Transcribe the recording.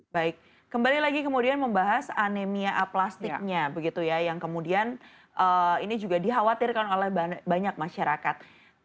baik kembali lagi kemudian membahas anemia plastiknya begitu ya yang kemudian ini juga dikhawatirkan oleh banyak masyarakat